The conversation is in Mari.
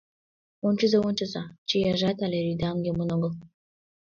Ончыза-ончыза, чияжат але рӱдаҥ йомын огыл.